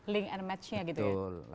link and match nya gitu ya